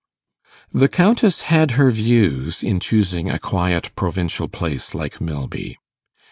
The Countess had her views in choosing a quiet provincial place like Milby.